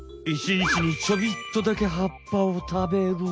１日にちょびっとだけ葉っぱをたべる。